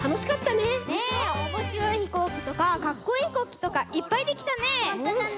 ねえおもしろいひこうきとかかっこいいひこうきとかいっぱいできたね。